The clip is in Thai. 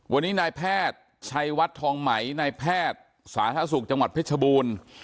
วันนี้นายแพทย์ชัยวัดทองไหมนายแพทย์สาธารณสุขจังหวัดเพชรบูรณ์